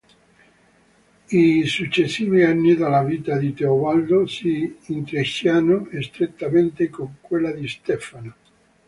I successivi anni della vita di Teobaldo si intrecciano strettamente con quella di Stefano.